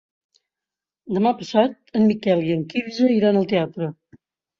Demà passat en Miquel i en Quirze iran al teatre.